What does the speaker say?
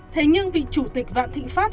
thế nhưng vị chủ tịch vạn thịnh pháp